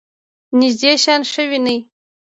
نږدې شیان ښه وینئ؟